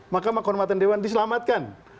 makam kehormatan dewa diselamatkan